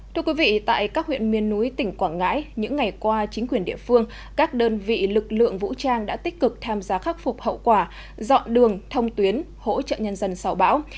thưa quý vị tại các huyện miền núi tỉnh quảng ngãi những ngày qua chính quyền địa phương các đơn vị lực lượng vũ trang đã tích cực tham gia khắc phục hậu quả dọn đường thông tuyến hỗ trợ nhân dân sau bão